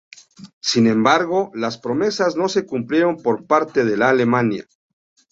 Sin embargo, las promesas no se cumplieron por parte de Alemania.